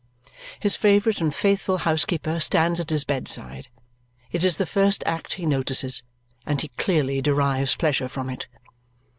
His favourite and faithful housekeeper stands at his bedside. It is the first act he notices, and he clearly derives pleasure from it.